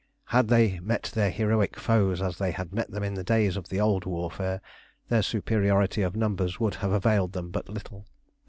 Had they met their heroic foes as they had met them in the days of the old warfare, their superiority of numbers would have availed them but little.